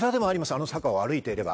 あの坂を歩いていれば。